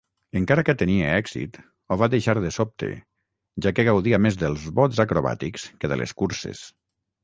Encara que tenia èxit, ho va deixar de sobte, ja que gaudia més dels bots acrobàtics que de les curses.